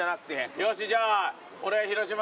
よしじゃあ。